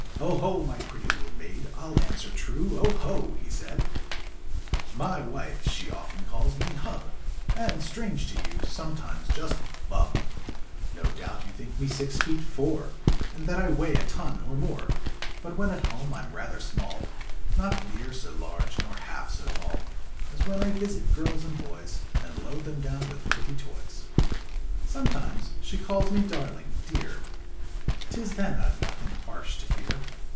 ''" 0 ho ! my pretty little maid. I'll answer true, 0 ho !" he said. Copyrighted, 1897. Y wife, she often calls me hub, ^ And, strange to you, sometimes just bub, No doubt you think me six feet, four, And that I weigh a ton or more, But when at home I'm rather small, Not near so large nor half so tall As when I visit girls and boys And load them down with pretty toys." r '' Vx . J '•^ >A'>>JiA I' Vr 7:««ink Copyrighted I8i*7 OMETIMES she calls me darling, dear, Tis then I've nothing harsh to fear.